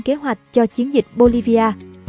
kế hoạch cho chiến dịch bolivia